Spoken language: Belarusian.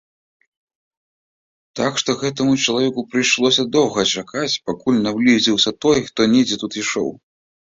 Так што гэтаму чалавеку прыйшлося доўга чакаць, пакуль наблізіўся той, хто недзе тут ішоў.